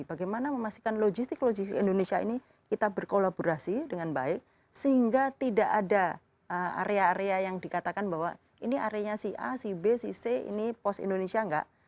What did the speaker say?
bagaimana memastikan logistik logistik indonesia ini kita berkolaborasi dengan baik sehingga tidak ada area area yang dikatakan bahwa ini areanya si a si b si c ini pos indonesia enggak